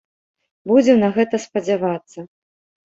Будзем на гэта спадзявацца.